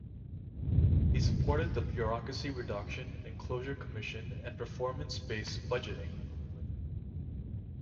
He supported the Bureaucracy Reduction and Closure Commission and performance-based budgeting.